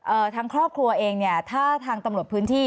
ทางครอบครัวเองเนี่ยถ้าทางตำรวจพื้นที่